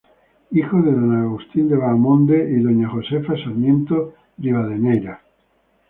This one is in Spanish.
Hijo de don Agustín de Bahamonde y doña Josefa Sarmiento Rivadeneira.